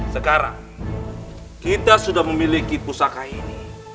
sekarang kita sudah memiliki pusaka ini